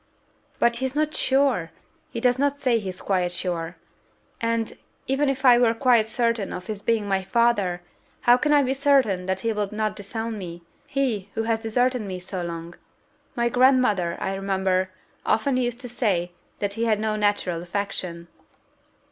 "But he is not sure he does not say he is quite sure. And, even if I were quite certain of his being my father, how can I be certain that he will not disown me he, who has deserted me so long? My grandmother, I remember, often used to say that he had no natural affection."